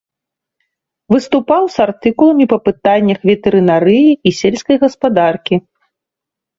Выступаў з артыкуламі па пытаннях ветэрынарыі і сельскай гаспадаркі.